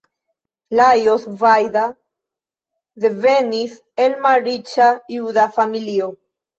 Lajos Vajda devenis el malriĉa juda familio.